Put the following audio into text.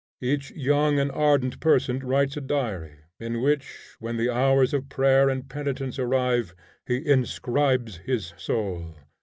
Each young and ardent person writes a diary, in which, when the hours of prayer and penitence arrive, he inscribes his soul.